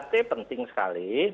tiga t penting sekali